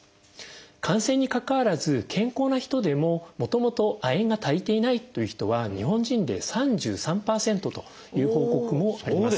感染にかかわらず健康な人でももともと亜鉛が足りていないという人は日本人で３３％という報告もあります。